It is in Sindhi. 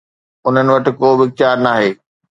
انهن وٽ ڪو به اختيار ناهي.